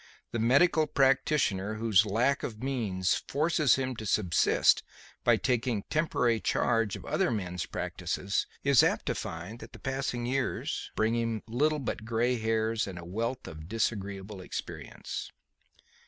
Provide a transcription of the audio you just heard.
The medical practitioner whose lack of means forces him to subsist by taking temporary charge of other men's practices is apt to find that the passing years bring him little but grey hairs and a wealth of disagreeable experience.